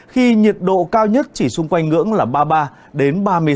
khi nhiệt độ cao nhất chỉ xung quanh ngưỡng là ba mươi ba đến ba mươi sáu độ